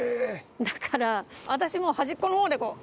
だから私もう端っこの方でこう。